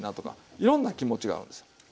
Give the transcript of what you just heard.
いろんな気持ちがあるんですよ